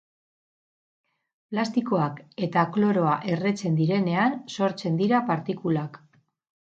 Plastikoak eta kloroa erretzen direnean sortzen dira partikulak.